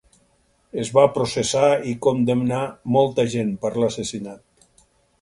Es va processar i condemnar molta gent per l'assassinat.